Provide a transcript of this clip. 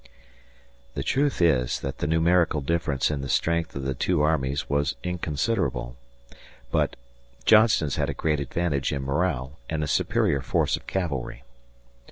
The truth is that the numerical difference in the strength of the two armies was inconsiderable, but Johnston's had a great advantage in morale and a superior force of cavalry.